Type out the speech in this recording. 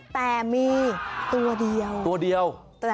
แต่มีตัวเดียว